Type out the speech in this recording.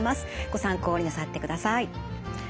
ご参考になさってください。